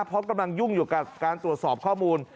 เพราะกำลังยุ่งอยู่กับการตรวจสอบข้อมูล